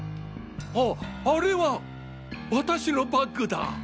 ああれは私のバッグだ！